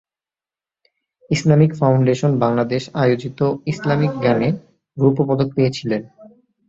Islamic Foundation Bangladesh আয়োজিত Islamic গানে রৌপ্যপদক পেয়েছিলেন।